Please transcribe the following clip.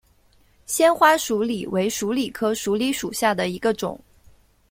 纤花鼠李为鼠李科鼠李属下的一个种。